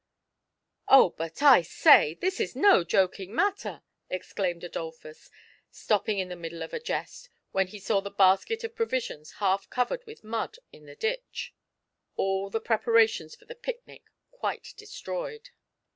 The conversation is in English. " Oh, but I say, this is no joking matter !" exclaimed Adolphus, stopping in the middle of a jest, when he saw the basket of provisions half covered with mud in the ditch — all the preparations for the picnic quite destroyed.